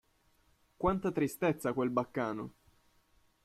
Quanta tristezza quel baccano!